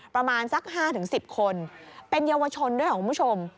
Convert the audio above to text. ประมาณสัก๕๑๐คนเป็นเยาวชนด้วยของคุณผู้ชม